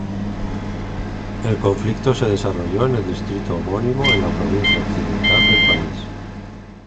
El conflicto se desarrolló en el distrito homónimo en la provincia Occidental del país.